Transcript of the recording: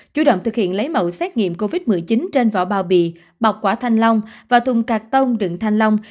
chú trọng thực hiện lấy mẫu xét nghiệm covid một mươi chín trên vỏ bao bị bọc quả thanh long và thùng cà tông đường thanh long